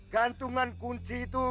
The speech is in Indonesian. gantungan kunci itu